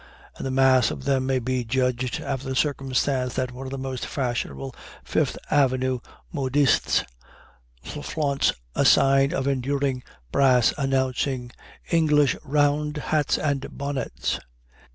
And the mass of them may be judged after the circumstance that one of the most fashionable Fifth Avenue modistes flaunts a sign of enduring brass announcing "English Round Hats and Bonnets."